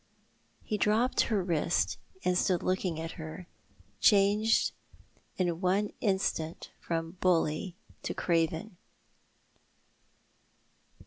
He dropped her wrist, and stood looking at her— changed in one instant from bully to craven.